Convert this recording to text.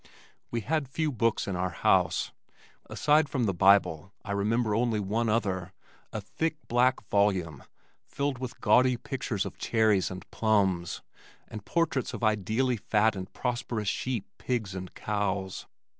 We had few books in our house. Aside from the Bible I remember only one other, a thick, black volume filled with gaudy pictures of cherries and plums, and portraits of ideally fat and prosperous sheep, pigs and cows.